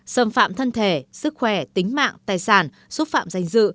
xâm phạm thân thể sức khỏe tính mạng tài sản xúc phạm danh dự